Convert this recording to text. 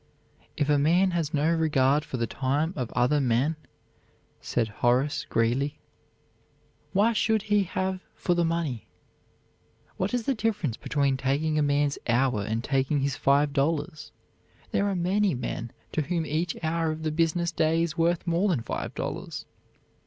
"If a man has no regard for the time of other men," said Horace Greeley, "why should he have for their money? What is the difference between taking a man's hour and taking his five dollars? There are many men to whom each hour of the business day is worth more than five dollars."